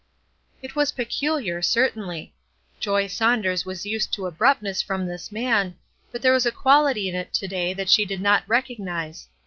It was peculiar, certainly. Joy Saunders was used to abruptness from this man, but there was a quality in it to day that she did not recognize.